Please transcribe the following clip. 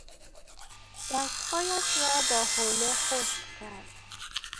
دستهایش را با حوله خشک کرد.